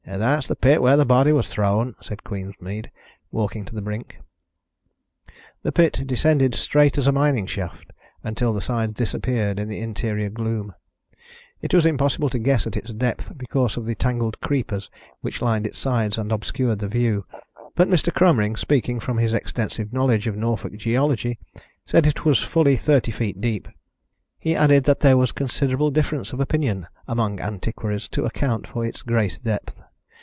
"That's the pit where the body was thrown," said Queensmead, walking to the brink. The pit descended straight as a mining shaft until the sides disappeared in the interior gloom. It was impossible to guess at its depth because of the tangled creepers which lined its sides and obscured the view, but Mr. Cromering, speaking from his extensive knowledge of Norfolk geology, said it was fully thirty feet deep. He added that there was considerable difference of opinion among antiquaries to account for its greater depth.